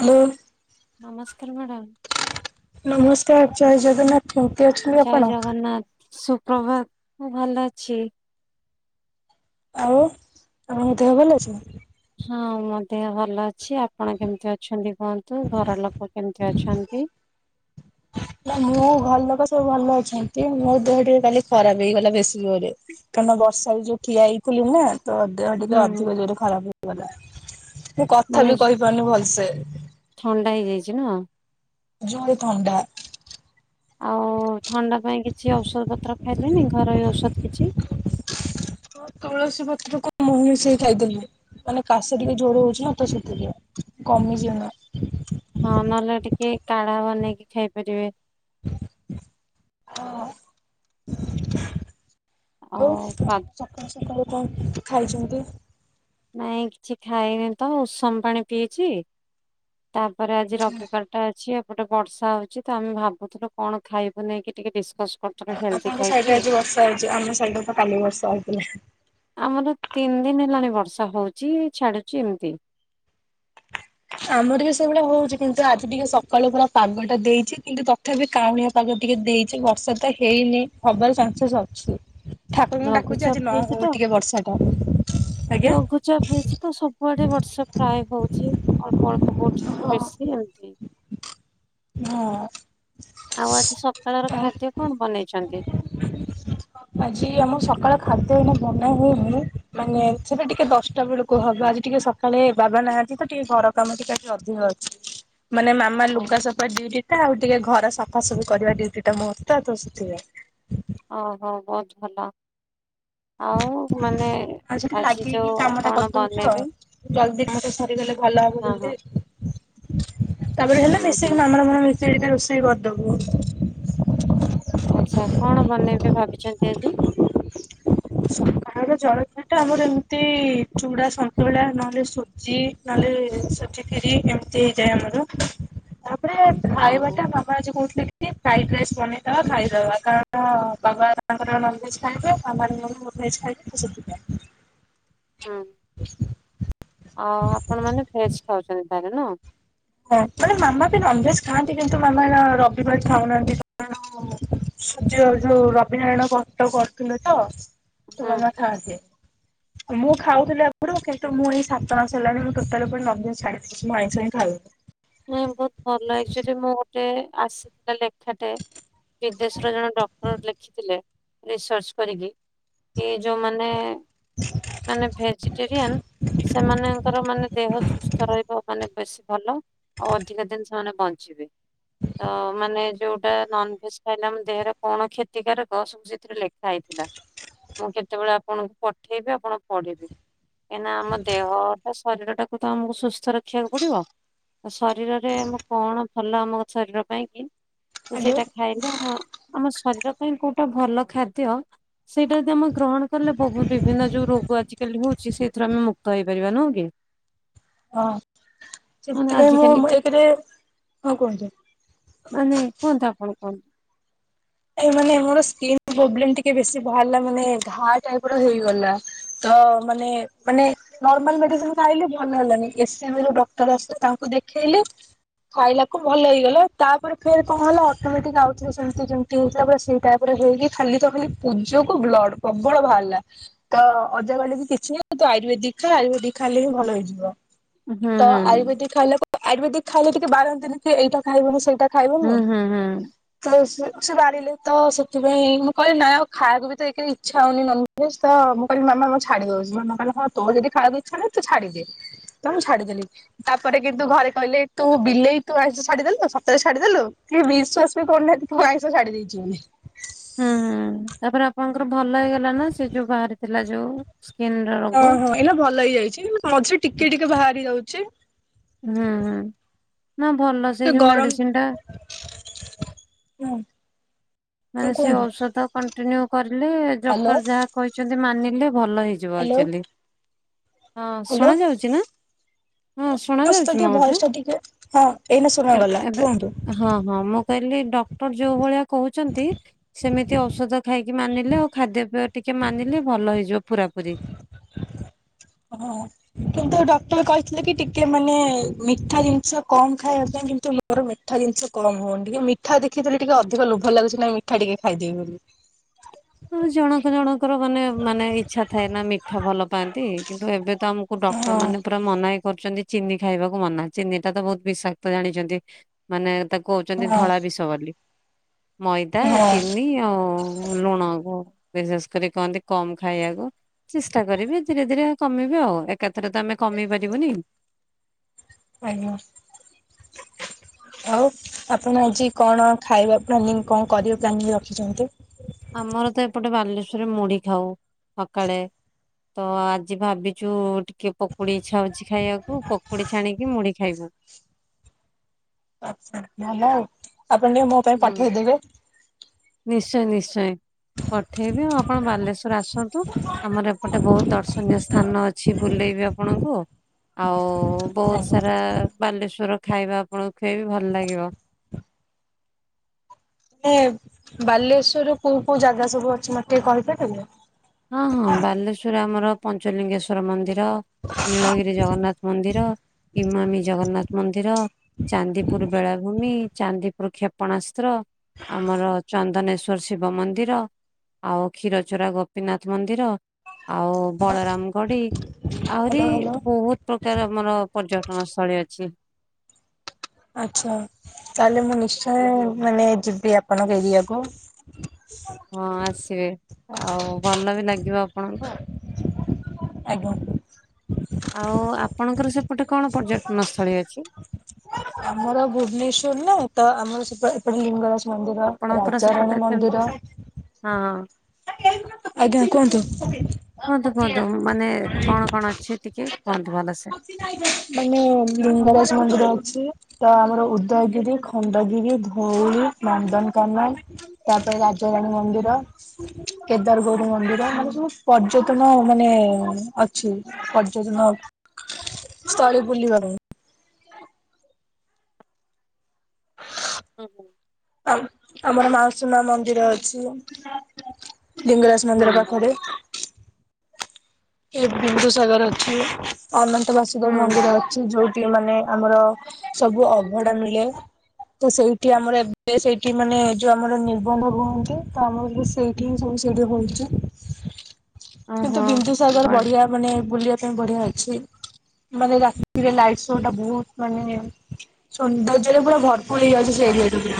Hello. ନମସ୍କାର୍ madam. ନମସ୍କାର୍ ଜୟ ଜଗନ୍ନାଥ କେମିତି ଅଛନ୍ତି ଜୟ ଆପଣ? ଜଗନ୍ନାଥ ସୁପ୍ରଭାତ ମୁଁ ଭଲ ଅଛି। ଆଉ ତମ ଦେହ ଭଲ ଅଛି ନା? ହଁ ମୋ ଦେହ ଭଲ ଅଛି ଆପଣ କେମତି ଅ ଛନ୍ତି କୁହନ୍ତୁ ଘର ଲୋକ କେମିତି ଅଛନ୍ତି? ନା ମୁଁ ଘର ଲୋକ ସବୁ ଭଲ ଅଛନ୍ତି ମୋ ଦେହ ଟିକେ ଖାଲି ଖରାପ୍ ହେଇଗଲା ବେଶୀ ଜୋର୍ ରେ। କାରଣ ବର୍ଷାରେ ଯଉ ଠିଆ ହେଇ ଥିଲି ନା। ତ ଦେହ ଟିକେ ହୁଁ ଅଧିକ ଜୋର୍ ରେ ଖରାପ୍ ହେଇଗଲା ମୁଁ କଥା ମାନେ ବି କହିପାରୁନି ଭଲ୍ ସେ। ଥଣ୍ଡା ହେଇଯାଇଚି ନୁହଁ? ଜୋରେ ଥଣ୍ଡା। ଆଉ ଥଣ୍ଡା ପାଇଁ କିଛି ଔଷଧ ପତ୍ର ଖାଇଲେଣିି ଘରୋଇ ଔଷଧ କିଛି? ତୁଳସୀ ପତ୍ର କୁ ମହୁ ମିଶେଇ ଖାଇଥିଲି। ମାନେ କାଶ ଟିକେ ଜୋର୍ ରେ ହଉଚି ନା ତ ସେଥିରେ କମିଯିବ ନା। ହଁ ନହେଲେ ଟିକେ କାଢା ବନେଇକି ଖାଇପାରିବେ। [unintelligible] ଆଉ ପା ସକାଳୁ ସକାଳୁ କଣ ଖାଇଚନ୍ତି? ନାଇଁ କିଛି ଖାଇନି ତ ଉଷୁମ୍ ପାଣି ପିଇଚି ତାପରେ ଆଜି ରବିବାର୍ ଟା ଅଛି ଆଉପଟେ ବର୍ଷା ହଉଛିଊ ତ ଆମେ ଭାବୁଥିଲୁ କଣ ଖାଇବୁ ନେଇକି ଟିକେ ଡିସକସ୍ କରୁଥିଲୁ। ହେଲ୍ଦି ଆପଣଙ୍କ ସାଇଡ୍ ଖାଇବୁ ରେ ଆଜି ବର୍ଷା ହେଇଚି ଆମ ସାଇଡରେ ତ କାଲି ବର୍ଷା ହେଇଥିଲା। ଆମର ତିନି ଦିନି ହେଲାଣି ବର୍ଷା ହଉଚି ଛାଡୁଚି ଏମିତି। ଆମର ବି ସେଇଭଳିଆ ହଉଚି କିନ୍ତୁ ଆଜି ଟିକେ ସକାଳୁ ପୁରା ପାଗ ଟା ଦେଇଚି କିନ୍ତୁ ତଥାପି କାଉଁଳିଆ ପାଗ ଟିକେ ଦେଇଚି ବର୍ଷା ତ ହେଇନି ହବାର ଚାନ୍ସେସ୍ ଅଛି। ଠାକୁରଙ୍କୁ ଡାକୁଚି ଲଘୁଚାପ ଆଜି ନ ହେଇଛି ତ ହଉ ଟିକେ ବର୍ଷାଟା ଆଜ୍ଞା। ଲଘୁଚାପ ହେଇଚି ତ ସବୁଆଡେ ବର୍ଷା ପ୍ରାୟେ ହଉଚି ଅଳ୍ପ ଅଳ୍ପ କଉଠି ଟିକେ ହଁ। ବେଶି ହଉଚି। ହଁ। ଆଉ ଆଜି ସକାଳର ଆଉ ଖାଦ୍ୟ କଣ ବନେଇଚନ୍ତି? ଆଜି ଆମ ସକାଳ ଖାଦ୍ୟ ଏଇନା ବନା ହେଇନି ମାନେ ସେଟା ଟିକେ ଦଶଟା ବେଳକୁ ହବ ଆଜି ଟିକେ ସ ସକାଳେ ବାବା ନାହାନ୍ତି ତ ଟିକେ ଘର କାମ ଟିକେ ଆଜି ଅଧିକ ଅଛି ମାନେ ମା [unintelligible] ହଁ ଲୁଗା ସଫା ଡିଉଟି ଟା ଆଉ ଟିକେ ଘର ସଫା ସଫି କରିବା ଡ଼ିଉଟି ଟା ମୋର ତ- ତ ସେଥିପାଇଁ। ଓହୋ ବହୁତ୍ ଭଲ। ଆଉ ମାନେ ଆଜି ଲାଗିକି ଯୋଉ କାମ ଟା କଣ କରିଦଉଚୁ ବନେଇବେ? ଆଉ ଜଲ୍ଦି କାମଟା ସରିଗଲେ ଭଲ ହବ ହଁ ହଁ ଜଲ୍ଦି। ତାପରେ ହେଲେ ହୁଁ ହୁଁ ମିଶେଇକି ମାମା ର ମୋର ମିଶେଇ ଦିଟା ରୋଷେଇ କରିଦବୁ। ଆଚ୍ଛା କଣ ବନେଇବେ ଭାବିଚନ୍ତି ଆଜି? ସକାଳର ଜଳଖିଆଟା ଆମର ଏମିତି ଚୁଡା ସନ୍ତୁଳା ନହେଲେ ସୁ ଜି ନହେଲେ ସୁଜି କ୍ଷୀରି ଏମିତି ହେଇଯାଏ ଆମର ତାପରେ ଓହୋ ଖାଇବାଟା ବାପ୍ ମାମା ଆଜି କହୁଥିଲେ କି ଫ୍ରାଇଡ୍ ରାଇସ୍ ବନେଇଦବା ଖାଇଦେବା କାରଣ ବାବା ତାଙ୍କ ନନଭେଜ୍ ଖାଇବେ ଆମେ ଆ ନନଭେଜ୍ ଖାଇବୁନି ତ ସେଥିପାଇଁ। ହୁଁ ଆଉ ଆପଣ ମାନେ ଭେଜ୍ ଖାଉଚନ୍ତି ତାହେଲେ ନୁହଁ? ହଁ ମାନେ ମାମା ବି ନନଭେଜ୍ ଖାଆନ୍ତି କିନ୍ତୁ ମାମା ରବିବାର୍ ଖାଉନାହାନ୍ତି କାରଣ ସୂର୍ଯ୍ୟ ଯଉ ରବିନାରାୟଣ ବ୍ରତ କରୁଥିଲେ ତ। ହୁଁ ତୁମ ମାଆ ଖାଆନ୍ତି ମୁଁ ଖାଉଥିଲି ଆଗରୁ କିନ୍ତୁ ମୁଁ ଏଇ ସାତ ମାସ ହେଲାଣି ମୁଁ ଟୋଟାଲି ଉପରେ ନନ୍ ଭେଜ୍ ଛାଡିଦେଇଛି ମୁଁ ଆଇଁଷ ହିଁ ଖାଉନି ନାଇଁ ବହୁତ ଭଲ ହେଇଚି ଯେ ମୁଁ ଗୋଟେ ଆସିଥିଲା ଲେଖ ଲେଖାଟେ ବିଦେଶର ଜଣେ ଡକ୍ଟର ଲେଖିଥିଲେ ରିସର୍ଚ କରିକି ଏ ଯୋଉ ମାନେ ମାନେ ଭେଜିଟେରିୟାନ୍ ସେମାନଙ୍କର ମାନେ ଦେହ ସୁସ୍ଥ ରହିବ ମାନେ ବେଶୀ ଭଲ ଆଉ ଅଧିକ ଦିନି ସେମାନେ ବଞ୍ଚିବେ ତ ମାନେ ଯୋଉଟା ନନ୍ ଭେଜ୍ ଖାଇଲେ ଆମ ଦେହରେ କଣ କ୍ଷତିକାରକ ସବୁ ସେଥିରେ ଲେଖ ଖାଇଥିଲା ମୁଁ କେତେବେଳେ ଆପଣଙ୍କୁ ପଠେଇବି ଆପଣ ପଢ଼ିବେ କାହିଁକିନା ଆମ ଦେହ ଶରୀର ଟାକୁ ତ ଆମକୁ ସୁସ୍ଥ ରଖିବାକୁ ପଡ଼ିବ ଶରୀରରେ କଣ ଭଲ ଆମ ଶରୀର ପାଇଁ କି ତ ହ୍ୟାଲୋ ସେଇଟା ଖାଇଲେ ଆମ ଆମ ଶରୀର ପାଇଁ କୋଉଟା ଭଲ ଖାଦ୍ୟ ସେଇଟା ଯଦି ଆମେ ଗ୍ରହଣ କଲେ ବହୁ ବିଭିନ୍ନ ଯୋଉ ରୋଗ ଆଜିକାଲି ହେଉଛି ସେଇଥିରୁ ଆମେ ମୁକ୍ତ ହେଇ ପାରିବା ନୁହଁ କି ହଁ ମାନେ ସେଥିପାଇଁ ଆଜିକାଲି ମୁଁ ଏକରେ ହଁ କୁହନ୍ତୁ ମାନେ କୁହନ୍ତୁ ଆପଣ କୁହନ୍ତୁ ଏ ମାନେ ମୋର ସ୍କିନ୍ ପୋବ୍ଲେମ୍ ଟିକେ ବେଶି ବାହାରିଲା ମାନେ ଘାଆ ଟାଇପିର ହେଇଗଲା ତ ମାନେ ମାନେ ନର୍ମାଲ୍ ମେଡିସିନି ଖାଇଲେ ଭଲ ହେଲାନି ଏସ୍ ଏମ୍ ରୁ ଡକ୍ଟର ଆସିଲେ ତାଙ୍କୁ ଦେଖେଇଲେ ଖାଇଲାକୁ ଭଲ ହେଇଗଲା ତାପରେ ଫେରେ କଣ ହେଲା ଅଟୋମେଟିକି ଆଉଥରେ ସେମିତି ଯେମତି ହେଇଥିଲା ସେଇଟାଇପିର ହେଇକି ଖାଲି ତ ଖାଲି ପୂଜକୁ ବ୍ଲଡ୍ ପ୍ରବଳ ବାହାରିଲା ତ ଅଜା କହିଲେ କିଛି ନାହିଁ ତୁ ଆୟୁର୍ବେଦିକି ଖାଆ ଆୟୁର୍ବେଦିକ ଖାଇଲେ ହିଁ ଭଲ ହେଇଯିବ ହୁଁ ହୁଁ ତ ଆୟୁର୍ବେଦିକି ଖାଇଲେ ଆୟୁର୍ବେଦିକି ଖାଇଲେ ଟିକେ ବାରନ୍ତିିନି ଏଇଟା ଖାଇବନି ସେଇଟା ହୁଁ ଖାଇବନି ହୁଁ ହୁଁ। ତ ସେ ସେ ବାରିଲେ ତ ସେଥିପାଇଁ ମୁଁ କହିଲି ନାଇଁ ଆଉ ଖାଇବାକୁ ଏକେରେ ବି ତ ଇଚ୍ଛା ହଉନି ନନ୍ ଭୋଜ୍ ତ ମୁଁ କହିଲି ମାମା ମୁଁ ଦଉଛି ମାମା କହିଲେ ହଁ ତେର ଯଦି ଖାଇବା ଇଛା ନାହିଁ ତୁ ଛାଡ଼ିଦେ ତ ମୁଁ ଛାଡ଼ି ଦେଲି ତାପରେ କିନ୍ତୁ ଘରେ କହିଲେ ତୁ ବିଲେଇ ତୁ ଆଇଁଷ ଛାଡିଦଲୁ ସତରେ ଛାଡିଦେଲୁ କେହି ବିଶ୍ବାସ ବି କରୁନାହାନ୍ତି ମୁଁ ଆଇଁଷ ଛାଡ଼ିଦେଇଛି ବୋଲି ହୁଁ ତାପରେ ଆପଣଙ୍କର ଭଲ ହେଇଗଲା ନା ସେ ଯୋଉ ବାହାରିଥିଲା ଯୋଉ ସ୍କିନ୍ ର ରୋଗ ଓହୋ ଏଇନା ଭଲ ହେଇଯାଇଛି ମଝିରେ ଟିକେ ଟିକେ ବାହାରି ଯାଉଛି ହୁଁ ହୁଁ ନା ଭଲ ସେ ସେଇ ଯୋଉ ଗରମ ମେଡିସିନି ଟା ହୁଁ ହଁ ମାନେ ସେ କୁହନ୍ତୁ ଔଷଧ କଣ୍ଟିନ୍ୟୁ କରିଲେ ହ୍ୟାଲୋ ଡକ୍ଟର ଯାହା କହିଛନ୍ତି ମାନିଲେ ଭଲ ହେଇ ଯିବ ହ୍ୟାଲୋ ଆକ୍ଚୋଲି ହଁ ହ୍ୟାଲୋ। ଶୁଣା ଯାଉଛି ନା ହଁ ଶୁଣା ସହିତ ଯାଉଛି ଟିକେ ମୋ ଭଏସ ଟା ଟିକେ ହଁ ଏଇନା କଥା ଶୁଣାଗଲା ଏବେ କୁହନ୍ତୁ। ହଁ ହଁ ମୁଁ କହିଲି ଡକ୍ଟର ଯୋଉ ଭଳିଆ କହୁଛନ୍ତି ସେମିତି ଔଷଧ ଖାଇକି ମାନିଲେ ଆଉ ଖାଦ୍ୟ ପେୟ ଟିକେ ମାନିଲେ ଭଲ ହେଇଯିବ ପୁରା ପୁରି ହଁ କିନ୍ତୁ ଡକ୍ଟର କହିଥିଲେ କି ଟିକେ ମାନେ ମିଠା ଜିନିଷ କମ୍ ଖାଇବା ପାଇଁ କିନ୍ତୁ ମୋର ମିଠା ଜିନିଷ କମ୍ ହଉନି ଟିକେ ମିଠା ଦେଖିଦେଲେ ଟିକେ ଅଧିକ ଲୋଭ ଲାଗୁଛି ନାଇଁ ମିଠା ଟିକେ ଖାଇଦେବି ବୋଲି ହଁ ଜଣକ ଜଣଙ୍କର ମାନେ ମାନେ ଇଚ୍ଛା ଥାଏ ନା ମିଠା ଭଲ ପାଆନ୍ତି କିନ୍ତୁ ଏବେ ତ ଆମ କୁ ଡକ୍ଟର ମାନେ ହଁ ପୁରା ମନା କରୁଛନ୍ତି ଚିନି ଖାଇବାକୁ ମନା ଚିନି ଟା ତ ବହୁତ ବିଷାକ୍ତ ଜାଣିଛନ୍ତି ମାନେ ତାକୁ କହୁଛନ୍ତି ହଁ। ଧଳା ବିଷ ବୋଲି ମଇଦା ହଁ ଚିନି ଆଉ ଲୁଣ କୁ ବିଶେଷ କରି କହନ୍ତି କମ୍ ଖାଇବାକୁ ଚେଷ୍ଟା କରିବି ଧୀରେ ଧୀରେ କମେଇବି ଆଉ ଏକାଥରେ ତ ଆମେ କମେଇ ପାରିବୁନି। ଆଜ୍ଞା! ଆଉ ଆପଣ ଆଜି କଣ ଖାଇବା ପ୍ଲାନିଂ କଣ କରିବେ ପ୍ଲାନିଂ ରଖିଛନ୍ତି। ଆମର ତ ଏପଟେ ବାଲେଶ୍ଵରରେ ମୁଢି ଖାଉ। ସକାଳେ ତ ଆଜି ଭାବିଛୁ ଟିକେ ପକୁଡି ଇଚ୍ଛା ହଉଛି। ଖାଇବାକୁ ପକୁଡି ଛାଣିକି ମୁଢି ଖାଇବୁ। ଆଛା! ଭଲ ଆଉ ଆପଣ ଟିକେ ଭ ହୁଁ ନିଶ୍ଚୟ ନିଶ୍ଚୟ ପଠେଇବି ଆଉ ଆପଣ ବାଲେଶ୍ଵର ଆସନ୍ତୁ। ଆମର ଏପଟେ ବହୁତ ଦର୍ଶନୀୟ ସ୍ଥାନ ଅଛି। ବୁଲେଇବି ଆପଣଙ୍କୁ ଆଉ ବହୁତ ସାରା ବାଲେଶ୍ଵର ଖାଇବା ଆପଣଙ୍କୁ ଖୁଏଇବି ଭଲ ଲାଗିବ। ଏ ବାଲେଶ୍ୱରରୁ କୋଉ କୋଉ ଜାଗା ସବୁ ଅଛି। ମତେ ଟିକେ କହିପାରିବୁ। ହଁ, ହଁ ବାଲେଶ୍ଵରରେ ଆମର ପଞ୍ଚଲିଙ୍ଗେଶ୍ଵର ମନ୍ଦିର, ନୀଳଗିରି ଜଗନ୍ନାଥ ମନ୍ଦିର, ଇମାମି ଜଗନ୍ନାଥ ମନ୍ଦିର, ଚାନ୍ଦିପୁର ବେଳାଭୂମି, ଚାନ୍ଦିପୁର କ୍ଷେପଣାସ୍ତ୍ର, ଆମର ଚନ୍ଦନେଶ୍ଵର ଶିବ ମନ୍ଦିର, ଆଉ କ୍ଷୀରଚୋରା ଗୋପ ଗୋପିନାଥ ମନ୍ଦିର, ଆଉ ବଳରାମ ଗଡି, ଆହୁରି ହ୍ୟାଲୋ ହ୍ୟାଲୋ। ବହୁତ ପ୍ରକାର ଆମର ପର୍ଯ୍ୟଟନ ସ୍ଥଳୀ ଅଛି। ଆଚ୍ଛା! ତାହେଲେ ମୁଁ ନିଶ୍ଚୟ ମାନେ ଯିବି ଆପଣଙ୍କ ଏରିଆକୁ ହଁ ଆସିବେ ଆଉ ଭଲ ବି ଲାଗିବ ଆପଣଙ୍କୁ ଆଉ ଆଜ୍ଞା! ଆଉ ଆପଣଙ୍କର ସେପଟେ କଣ ପର୍ଯ୍ୟଟନ ସ୍ଥଳୀ ଅଛି। ଆମର ଭୁବନେଶ୍ୱର ନା ତ ଆମର ସେପ ଏପଟେ ଲିଙ୍ଗରାଜ। ମନ୍ଦିର, ଆପଣଙ୍କର ସେପଟେ ରାଜାରାଣୀ କେମି ମନ୍ଦିର, ହଁ ଆଜ୍ଞା! କୁହ ନ୍ତୁ କୁହନ୍ତୁ। କୁହନ୍ତୁ ମାନେ କଣ କଣ ଅଛି। ଟିକେ କୁହନ୍ତୁ ଭଲସେ ମାନେ ଲିଙ୍ଗରାଜ ମନ୍ଦିର, ଅଛି। ତ ଆମର ଉଦୟଗିରି, ଖଣ୍ଡଗିରି, ଧଉଳି, ନନ୍ଦନକାନନ ତାପରେ ରାଜ ରାଣୀ ମନ୍ଦିର, କେଦାରଗୌରୀ ମନ୍ଦିର, ମାନେ ସବୁ ପର୍ଯ୍ୟଟନ ମାନେ ଅଛି। ପର୍ଯ୍ୟଟନ ସ୍ଥଳୀ ବୁଲି ପାରୁନି। ହୁଁ ହୁଁ ଆଉ ଆମର ମାଉସି ମା ମନ୍ଦିର ଅଛି। ଲିଙ୍ଗରାଜ ହୁଁ ମନ୍ଦିର ପାଖରେ ଏ ବିନ୍ଦୁସାଗର ଅଛି। ଅନନ୍ତବାସୁଦେବ ହୁଁ ମନ୍ଦିର ଅଛି। ଯୋଉଠି ମାନେ ଆମର ସବୁ ଅଭଢା ମିଳେ ତ ସେଇଠି ଆମର ଏବେ ସେଇଠି ମାନେ ଯୋଉ ଆମର ନିର୍ବନ୍ଧ ହୁଅନ୍ତି। ତ ଆମର ସେଇଠି ହୁଁ ହିଁ ସବୁ ସେଇଠି ହଉଛି। କିନ୍ତୁ ଓହୋ ବିନ୍ଦୁସାଗର ବ ବଢଆ ମାନେ ବୁଲିବା ପାଇଁ ବଢିଆ ଅଛି। ମାନେ ରାତିରେ ଲାଇଟ ଶୋ ଟା ବହୁତ ମାନେ ସୌନ୍ଦର୍ଯ୍ୟରେ ପୁରା ଭରପୁର ହେଇଯାଉଛି। ସେ ଏରିଆ ରୁ ବି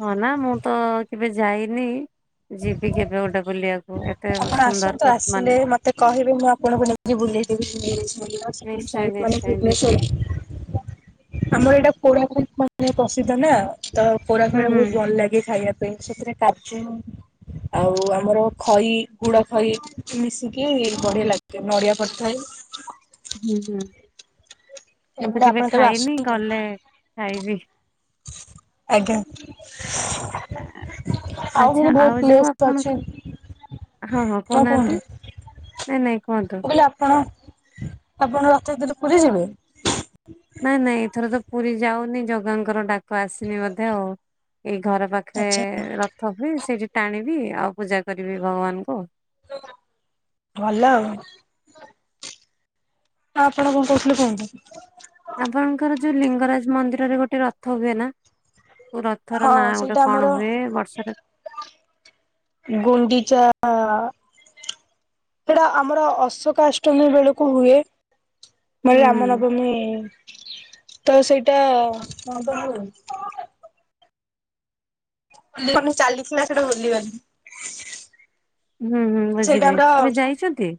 ହଁ ନା ମୁଁ ତ କେବେ ଯାଇନି। ଯିବି କେବେ ଗୋଟେ ବୁଲିବାକୁ। ଏତେ ଆପଣ ସୁନ୍ଦର ଆସନ୍ତୁ କରିଚି ମାନେ ଯିବୁ [unintelligible] ସାଇଟ୍ ନିଶ୍ଚୟ ନିଶ୍ଚୟ ମନେ ଯିବି। ଭୁବନେଶ୍ଵରରେ। ଆମର ଏଇଟା କୋରାପୁଟ ମାନେ ପ୍ରସିଦ୍ଧ ନା ତ କୋରା ହୁଁ ଫୋରା ହୁଁ। ବହୁତ ଭଲ ଲାଗେ ଖାଇବା ପାଇଁ ସେଥିରେ କାଜୁ ଆଉ ଆମର ଖଇ ଗୁଡ ଖଇ ମିଶିକି ବଢିଆ ଲାଗେ ନଡିଆ ପଡିଥାଏ। [inaudible] ହୁଁ ହୁଁ ମୁଁ ତ ଏମିତି କେବେ ଆପଣ ଖାଇନି ଆସନ୍ତୁ ଗଲେ ଖାଇବି। ଆଜ୍ଞା। ଆଉ ଆଚ୍ଛା ବି ବହୁତ ଯୋଉ ପ୍ଲେସ ଆପଣଙ୍କ ଅଛି। ହଁ ହଁ ଆଉ କହୁନାହାନ୍ତି କୁହନ୍ତୁ ମୁଁ ନାଇଁ ନାଇଁ କୁହନ୍ତୁ। କହିଲି ଆପଣ ଆପଣ ରଥଯାତ୍ରା କୁ ପୁରୀ ଯିବେ? ନାଇଁ ନାଇଁ ଏଥର ତ ପୁରୀ ଯାଉନି ଜଗାଙ୍କର ଡାକ ଆସିନି ବୋଧେ ଆଉ ଏଇ ଘର ପାଖ ଆଚ୍ଛା ପାଖରେ ରଥ ହୁଏ ସେଇଠି ଟାଣିବି ଆଉ ପୂଜା କରିବି ଭଗବାନଙ୍କୁ। ଭଲ ଆଉ। ଆ ଆପଣ କଁ କହୁଥିଲେ କୁହନ୍ତୁ? ଆପଣଙ୍କର ଯୋଉ ଲିଙ୍ଗରାଜ ମନ୍ଦିରରେ ଗୋଟେ ରଥ ହୁଏ ନା? ହଁ ରଥର ନାଁ ସେଇଟା ଗୋଟେ ଆମର କଣ ହୁଏ ବର୍ଷରେ ଗୁଣ୍ଡିଚା ସେଟା ଆମର ଅଶୋକା ଅଷ୍ଟମୀ ବେଳକୁ ହୁଏ। ମାନେ ହୁଁ ରାମ ହୁଁ। ନବମୀ ତ ସେଇଟା ମାନେ ଚାଲିଥିଲା ସେଟା ଭୁଲିଗଲି ହୁଁ ହୁଁ ବୁଝିଲି କେବେ ଯାଇଛନ୍ତି?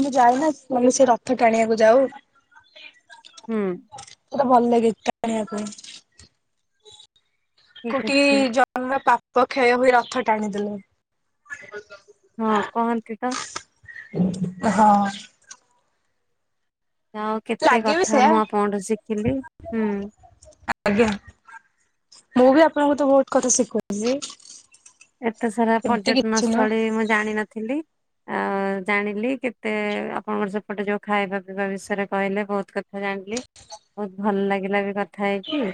ମୁଁ ଯାଇନା ତମେ ସେ ରଥ ଟାଣିବାକୁ ଯାଉ। ହୁଁ ସେଟା ଭଲ ଲାଗେ ଟାଣିବା ପାଇଁ। ଠିକ କୋଟିି ଅଛି। ଜନ୍ମର ପାପ କ୍ଷୟ ହୁଏ ରଥ ଟାଣିଦେଲେ। ହଁ କହନ୍ତି ତ। ହଁ। ଆଉ କେତେ ଲାଗେ ବି କଥା ସେୟା ମୁଁ ଆପଣଠୁ ଶିଖିଲି ହୁଁ। ଆଜ୍ଞା ମୁଁ ବି ଆପଣଙ୍କୁ ତ ବହୁତ କଥା ଶିଖୁଚି। ଏତେ ସାରା ପର୍ଯ୍ୟଟନ ସ୍ଥଳୀ ମୁଁ ଜାଣିନଥିଲି ଆଉ ଜାଣିଲି କେତେ ଆପଣଙ୍କର ସେପଟେ ଯୋଉ ଖାଇବା ପିଇବା ବିଷୟରେ କହିଲେ ବହୁତ କ କଥା ଜାଣିଲି ବହୁତ ଭଲ ଲାଗିଲା ବି କଥ ଥା ହେଇକି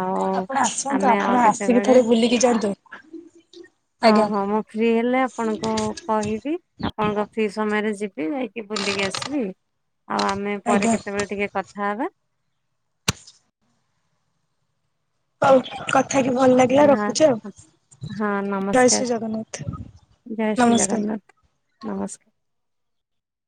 ଆଉ ଆପଣ ଆସନ୍ତୁ ଆମେ ଆପଣ ଆଉ ଆସିକି କେତେବେଳେ ଥରେ ବୁଲିକି ଯାଆନ୍ତୁ। ହଁ ଆଜ୍ଞା ହଁ ମୁଁ ଫ୍ରି ହେଲେ ଆପଣଙ୍କୁ କହିବି। ଆପଣଙ୍କ ଫି ସମୟରେ ଯିବି ଯାଇକି ବୁଲିକି ଆସିବି। ଆଉ ଆମେ ପରେ ଆଜ୍ଞା। କେତେବେଳେ ଟିକେ କଥାହବା। ହଉ କଥା ହେଇକି ଭଲ ଲାଗିଲା ହଁ ରଖୁଛି ଆଉ। ହଁ ଜୟ ଶ୍ରୀ ନମସ୍କାର, ଜଗନ୍ନାଥ ଜୟ ଶ୍ରୀ ନମସ୍କାର। ଜଗନ୍ନାଥ ନମସ୍କାର।